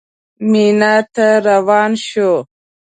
مینا ته روان شوو.